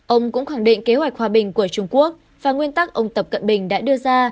ông cũng khẳng định kế hoạch hòa bình của trung quốc và nguyên tắc ông tập cận bình đã đưa ra